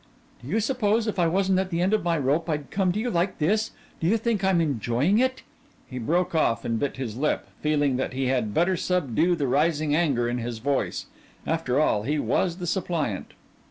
"Do you suppose if I wasn't at the end of my rope I'd come to you like this? Do you think I'm enjoying it?" He broke off and bit his lip, feeling that he had better subdue the rising anger in his voice. After all, he was the suppliant.